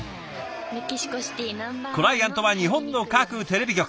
クライアントは日本の各テレビ局。